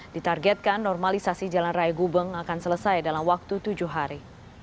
ditargetkan normalisasi jalan raya gubeng akan selesai dalam waktu tujuh hari